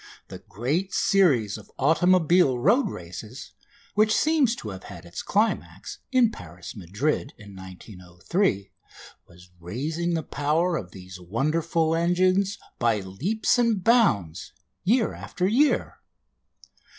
The great series of automobile road races, which seems to have had its climax in Paris Madrid in 1903, was raising the power of these wonderful engines by leaps and bounds year after year.